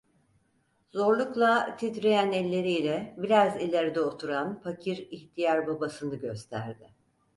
Zorlukla, titreyen elleri ile biraz ileride oturan, fakir ihtiyar babasını gösterdi.